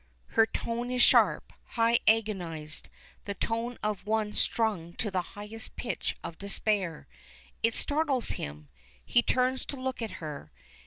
Her tone is sharp, high agonized the tone of one strung to the highest pitch of despair. It startles him. He turns to look at her.